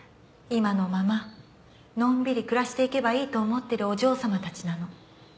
今のままのんびり暮らしていけばいいと思ってるお嬢様たちなの。